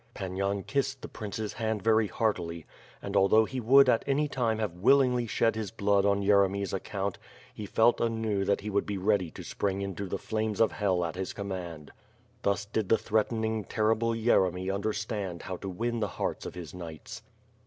Pan Yan kissed the prince's hand very heartily and al though he would at any time have willingly shed his blood on Yeremy's account, he felt anew that he would be ready to spring into the flaines of hell at his command. Thus did the threatening, terrible Yeremy understand how to win the hearts of his knights.